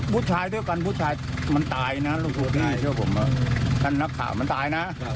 ว่ามันตายนะลูกนี้เชื่อผมซัลนักข่ามันตายนะ